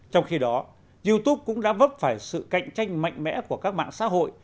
trong khi đó youtube cũng đã vấp phải sự cạnh tranh mạnh mẽ của các mạng xã hội